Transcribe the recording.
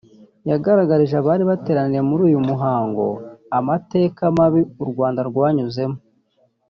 yagaragarije abari bateraniye muri uyu muhango amateka mabi u Rwanda rwanyuzemo